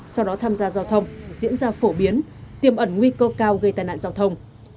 sau đó tham gia giao thông diễn ra phổ biến tiêm ẩn nguy cơ cao gây tai nạn giao thông